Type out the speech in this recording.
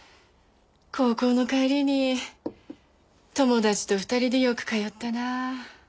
高校の帰りに友達と２人でよく通ったなあ。